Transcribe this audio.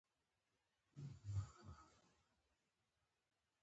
چې موږ به ورسره مخ شو، هغه به د اس سپرو ډله وي.